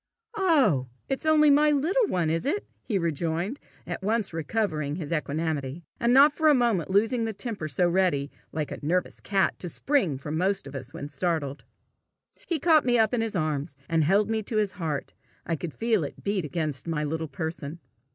"Oh! it's only my little one, is it?" he rejoined, at once recovering his equanimity, and not for a moment losing the temper so ready, like nervous cat, to spring from most of us when startled. He caught me up in his arms, and held me to his heart. I could feel it beat against my little person.